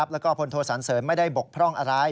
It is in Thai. แล้วก็พลโทสันเสริญไม่ได้บกพร่องอะไร